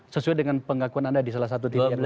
sesuai dengan pengakuan anda di salah satu titik